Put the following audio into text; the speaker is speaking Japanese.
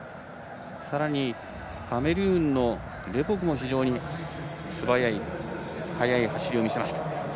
さらに、カメルーンのレボグも非常に素早い速い走りを見せました。